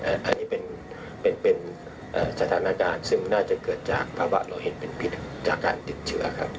อันนี้เป็นสถานการณ์ซึ่งน่าจะเกิดจากภาวะเราเห็นเป็นพิษจากการติดเชื้อครับ